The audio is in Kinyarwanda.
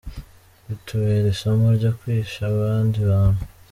Bitubere isomo ryo kwisha abandi bantu.